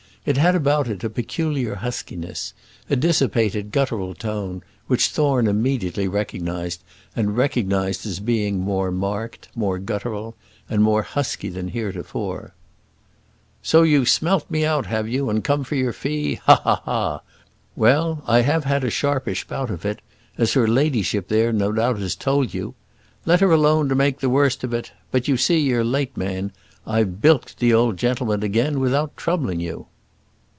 It had about it a peculiar huskiness, a dissipated guttural tone, which Thorne immediately recognised, and recognised as being more marked, more guttural, and more husky than heretofore. "So you've smelt me out, have you, and come for your fee? Ha! ha! ha! Well, I have had a sharpish bout of it, as her ladyship there no doubt has told you. Let her alone to make the worst of it. But, you see, you're too late, man. I've bilked the old gentleman again without troubling you."